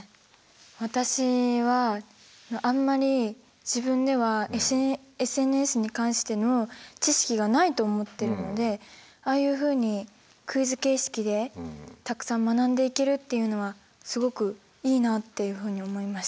私はあんまり自分ではＳＮＳに関しての知識がないと思ってるのでああいうふうにクイズ形式でたくさん学んでいけるっていうのはすごくいいなっていうふうに思いました。